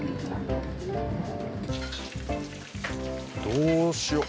どうしよう。